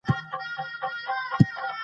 افغانستان د مېوې په اړه علمي څېړنې لري.